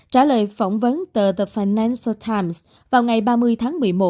trả lời phỏng vấn tờ the financial times vào ngày ba mươi tháng một mươi một